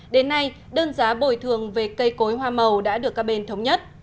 đến nay đơn giá bồi thường về cây cối hoa màu đã được các bên thống nhất